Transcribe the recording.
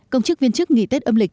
công chức viên chức nghỉ tết âm lịch